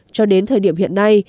cho đến thời điểm hiện nay